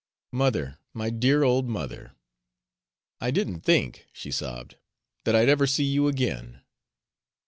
"Mother my dear old mother!" "I didn't think," she sobbed, "that I'd ever see you again."